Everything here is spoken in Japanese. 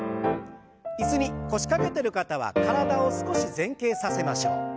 椅子に腰掛けてる方は体を少し前傾させましょう。